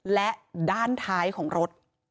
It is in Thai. และด้านท้ายของรถ